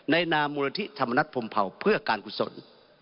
นามมูลนิธิธรรมนัฐพรมเผาเพื่อการกุศล